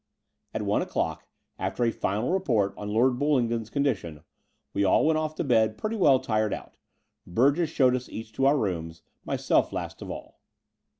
At one o'clock, after a final report on Lord Bullingdon's condition, we all went off to bed pretty well tired out. Burgess showed us each to our rooms, myself last of all.